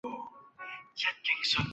现在参加西班牙足球乙二级联赛。